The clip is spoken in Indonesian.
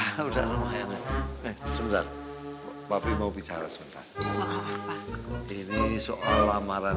enggak udah lumayan enggak sudah mau bicara sebentar ini soal amaran